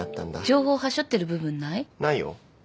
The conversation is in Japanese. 情報はしょってる部分ない？ないよ。